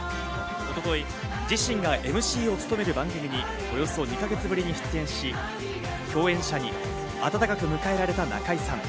一昨日、自身がＭＣを務める番組に、およそ２か月ぶりに出演し、共演者に温かく迎えられた中居さん。